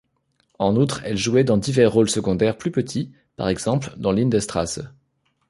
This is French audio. En outre, elle jouait dans divers rôles secondaires plus petits, par exemple, dans Lindenstrasse.